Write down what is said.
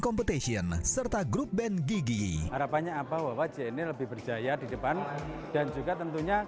competition serta grup band gigi harapannya apa bahwa jnny lebih berjaya di depan dan juga tentunya